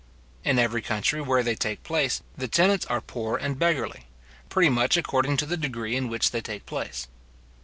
In every country where they take place, the tenants are poor and beggarly, pretty much according to the degree in which they take place.